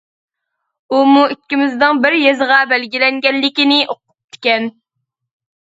ئۇمۇ ئىككىمىزنىڭ بىر يېزىغا بەلگىلەنگەنلىكىنى ئوقۇپتىكەن.